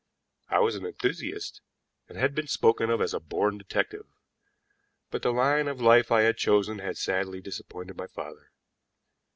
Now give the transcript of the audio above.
I was an enthusiast, and have been spoken of as a born detective, but the line of life I had chosen had sadly disappointed my father.